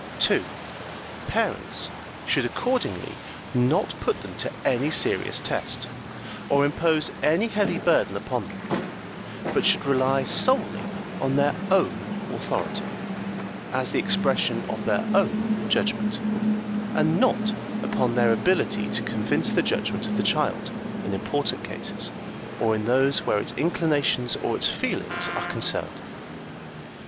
2. Parents should, accordingly, not put them to any serious test, or impose any heavy burden upon them; but should rely solely on their own authority, as the expression of their own judgment, and not upon their ability to convince the judgment of the child, in important cases, or in those where its inclinations or its feelings are concerned.